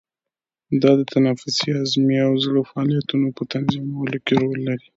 دا د تنفسي، هضمي او زړه فعالیتونو په تنظیمولو کې رول لري.